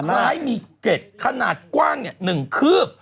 ไม้มีเกร็ดขนาดกว้าง๑คืบ